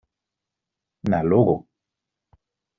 Na logo!